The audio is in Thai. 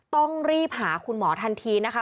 ต้องรีบหาคุณหมอทันทีนะคะ